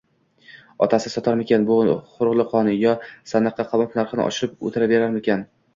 «Otasi sotarmikan bu hurliqoni, yo sandiqqa qamab, narxini oshirib oʼtiraverarmikan?»